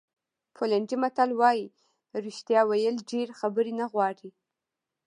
پولنډي متل وایي رښتیا ویل ډېرې خبرې نه غواړي.